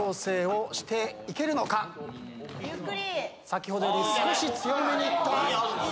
先ほどより少し強めにいった。